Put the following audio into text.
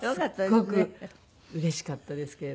すごくうれしかったですけれども。